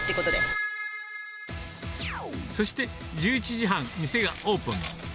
そして１１時半、店がオープン。